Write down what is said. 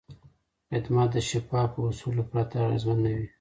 خدمت د شفافو اصولو پرته اغېزمن نه وي.